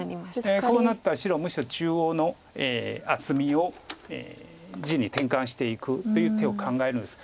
こうなったら白むしろ中央の厚みを地に転換していくという手を考えるんです。